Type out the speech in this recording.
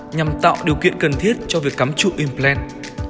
nhằm tạo điều kiện cần thiết cho việc cắm trụ impland